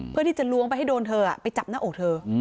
เพื่อที่จะล้วงไปให้โดนเธอไปจับหน้าอกเธอ